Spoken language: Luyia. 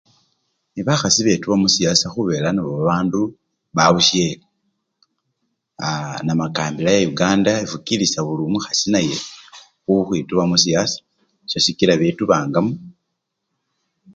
Bahasi betuba musiyasa khubela nabo babandu muyukanda babusyele Aaa; namakambila ya uganda efukisia omukhasi naye khukhwituba musiyasa sisikila betubangamo.